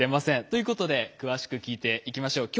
ということで詳しく聞いていきましょう。